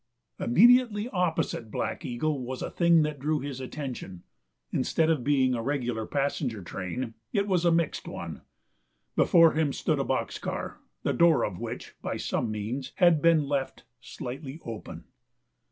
Immediately opposite Black Eagle was a thing that drew his attention. Instead of being a regular passenger train it was a mixed one. Before him stood a box car, the door of which, by some means, had been left slightly open.